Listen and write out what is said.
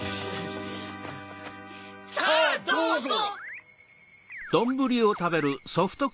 さぁどうぞ！